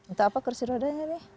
entah apa kursi rodanya nih